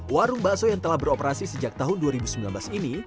warung bakso yang telah beroperasi sejak tahun dua ribu sembilan belas ini